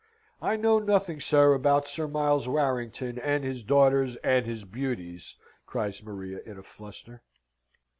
"I know nothing, sir, about Sir Miles Warrington, and his daughters, and his beauties!" cries Maria, in a fluster.